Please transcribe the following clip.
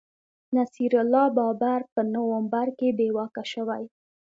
نصیر الله بابر په نومبر کي بې واکه شوی